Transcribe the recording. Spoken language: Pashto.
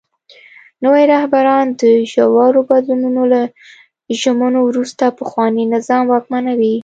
نوي رهبران د ژورو بدلونونو له ژمنو وروسته پخواني نظام واکمنوي.